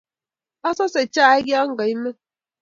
Asase chaik ya kaimen.